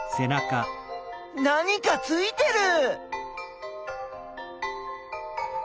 何かついてる！